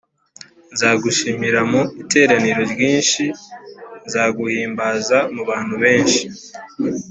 Nzagushimira mu iteraniro ryinshi, nzaguhimbaza mu bantu benshi